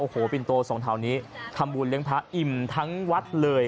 โอ้โหปินโตสองแถวนี้ทำบุญเลี้ยงพระอิ่มทั้งวัดเลย